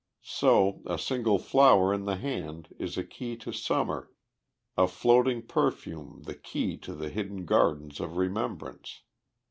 So, a single flower in the hand is a key to Summer, a floating perfume the key to the hidden gardens of remembrance.